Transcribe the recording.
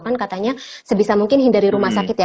kan katanya sebisa mungkin hindari rumah sakit ya